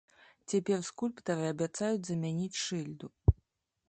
Цяпер скульптары абяцаюць замяніць шыльду.